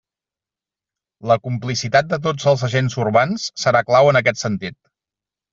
La complicitat de tots els agents urbans serà clau en aquest sentit.